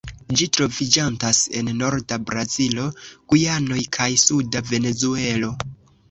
Ĝi troviĝantas en norda Brazilo, Gujanoj, kaj suda Venezuelo.